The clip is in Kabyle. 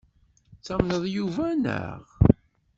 Tettamneḍ Yuba, naɣ?